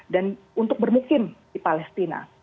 untuk bermukim di palestina